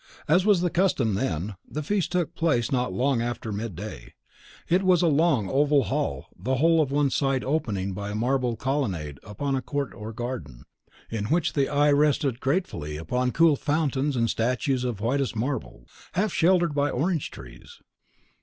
As was the custom then, the feast took place not long after mid day. It was a long, oval hall, the whole of one side opening by a marble colonnade upon a court or garden, in which the eye rested gratefully upon cool fountains and statues of whitest marble, half sheltered by orange trees.